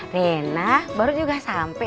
rena baru juga sampai